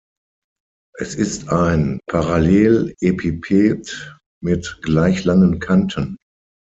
Es ist ein Parallelepiped mit gleich langen Kanten.